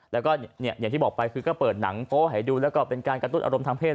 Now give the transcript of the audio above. แล้วก็อย่างที่บอกไปคือก็เปิดหนังโป๊ให้ดูแล้วก็เป็นการกระตุ้นอารมณ์ทางเศษ